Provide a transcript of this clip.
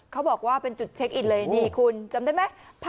เค้าบอกว่าเป็นจุดเช็กอินเลยดิคุณจำได้มั้ย